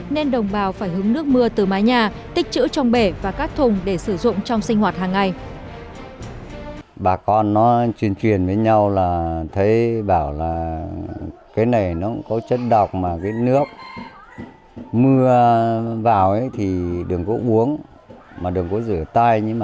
nên đồng bào phải hứng nước mưa từ mái nhà tích chữ trong bể và các thùng để sử dụng trong sinh hoạt hàng ngày